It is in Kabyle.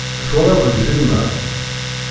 Twalaḍ lfilm-a?